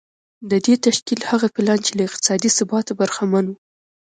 د دې تشکيل هغه پلان چې له اقتصادي ثباته برخمن و.